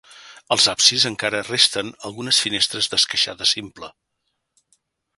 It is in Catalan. Als absis encara resten algunes finestres d'esqueixada simple.